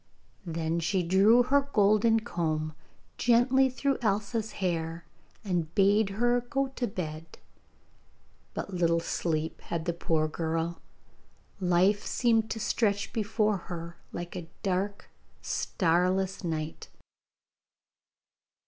Then she drew her golden comb gently through Elsa's hair, and bade her go to bed; but little sleep had the poor girl! Life seemed to stretch before her like a dark starless night.